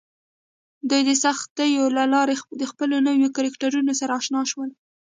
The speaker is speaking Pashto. دوی د سختیو له لارې له خپلو نویو کرکټرونو سره اشنا شول